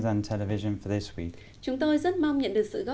chúng tôi làm tự vui wohnung high komma một fresh